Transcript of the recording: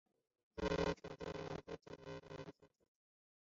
他还曾经两度荣膺金球奖最佳电影音乐奖。